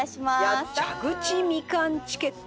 蛇口みかんチケット。